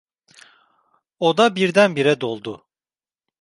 Oda birdenbire doldu.